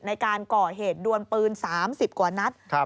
ในการก่อเหตุดวนปืน๓๐กว่านัด